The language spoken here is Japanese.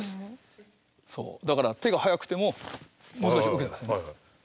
そうだから手が速くてももう少し受けて下さいね。